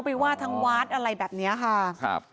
ไปวาดทางวาดอะไรแบบนี้ค่ะ